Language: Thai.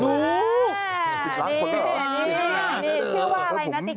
นี่นี่นี่ชื่อว่าอะไรนะติ๊กต๊อกพี่